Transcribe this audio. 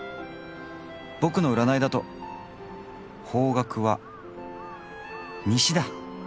ボクの占いだと方角は西だ！